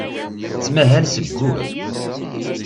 Tettmahal seg wul.